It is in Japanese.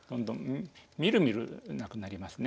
みるみるなくなりますね。